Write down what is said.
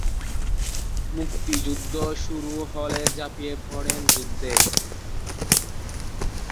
মুক্তিযুদ্ধ শুরু হলে ঝাঁপিয়ে পড়েন যুদ্ধে।